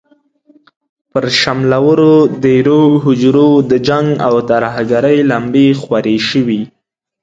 پر شملورو دېرو، هوجرو د جنګ او ترهګرۍ لمبې خورې شوې.